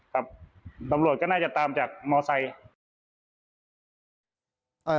ครับตำรวจก็น่าจะตามจากมอไซค์